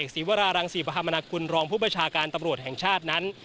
ศรีวรารังศรีประธรรมนากุลรองผู้ประชาการตำรวจแห่งชาตินั้น